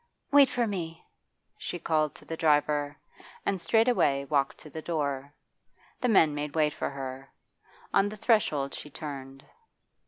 'Wait for me!' she called to the driver, and straightway walked to the door. The men made way for her. On the threshold she turned.